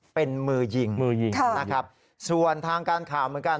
เป็นมือยิงมือยิงนะครับส่วนทางการข่าวเหมือนกัน